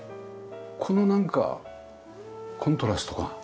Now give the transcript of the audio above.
このなんかコントラストが。